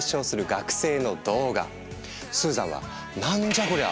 スーザンは「なんじゃこりゃ！